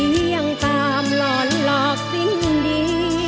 ยังตามหลอนหลอกสิ้นดี